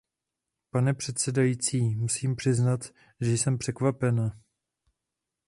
Pane předsedající, musím přiznat, že jsem překvapena.